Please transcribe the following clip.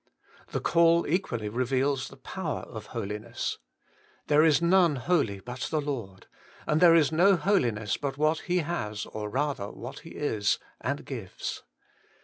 The call equally reveals the power of Holiness. ' There is none holy but the Lord ;' there is no Holiness but what He has, or rather what He is, and gives.